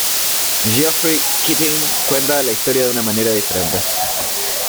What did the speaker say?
Geoffrey Keating cuenta la historia de una manera diferente.